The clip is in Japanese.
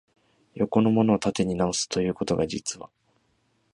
横のものを縦に直す、ということが、実は、